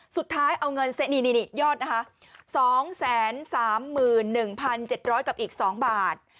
สุดท้ายเอาเงินซะนี่ยอดนะคะ๒๓๑๗๐๐กับอีก๒บาท